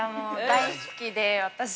◆大好きで、私。